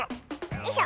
よいしょ。